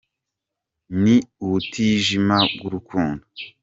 Ni ubutijima bw’urukundo